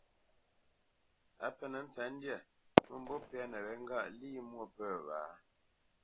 A penə́ ntsətndyâ, mə̂mbû pɛ́nə wé ŋgâʼ lî mwô pə̂ wǎ?